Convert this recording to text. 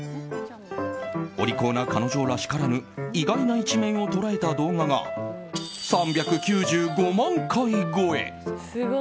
お利口な彼女らしからぬ意外な一面を捉えた動画が３９５万回超え！